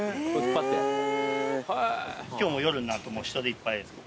今日も夜になるともう人でいっぱいです